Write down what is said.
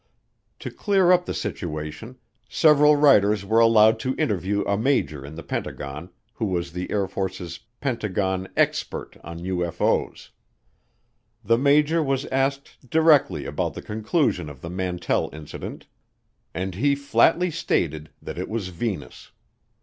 To clear up the situation, several writers were allowed to interview a major in the Pentagon, who was the Air Force's Pentagon "expert" on UFO's. The major was asked directly about the conclusion of the Mantell Incident, and he flatly stated that it was Venus.